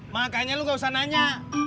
makanya lu gak usah nanya